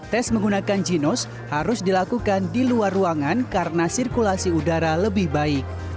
tes menggunakan ginos harus dilakukan di luar ruangan karena sirkulasi udara lebih baik